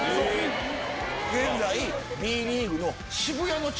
現在。